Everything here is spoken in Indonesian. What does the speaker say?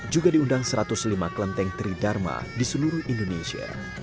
juga diundang satu ratus lima kelenteng tridharma di seluruh indonesia